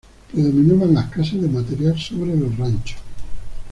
Predominaban las casas de material sobre los ranchos.